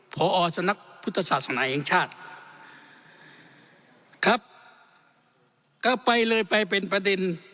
พอสำนักพุทธศาสนาแห่งชาติครับก็ไปเลยไปเป็นประเด็น